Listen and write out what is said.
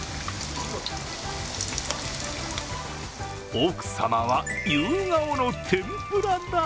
奥様は夕顔の天ぷらだ！